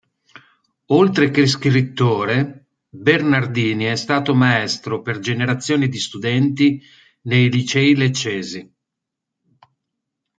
Oltre che scrittore, Bernardini è stato maestro per generazioni di studenti nei licei leccesi.